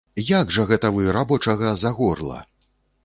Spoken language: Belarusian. Як жа гэта вы рабочага за горла?